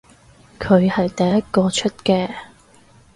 佢係第一個出嘅